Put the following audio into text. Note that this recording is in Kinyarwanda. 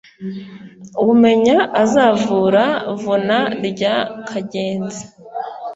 umenya azavura vuna rya kagenzi.